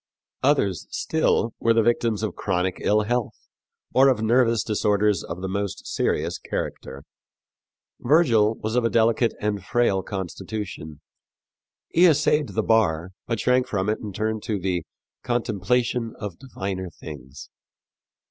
Others, still, were the victims of chronic ill health, or of nervous disorders of the most serious character. Virgil was of a delicate and frail constitution. He essayed the bar, but shrank from it and turned to the "contemplation of diviner things."